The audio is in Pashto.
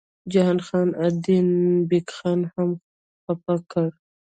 جهان خان ادینه بېګ خان هم خپه کړ.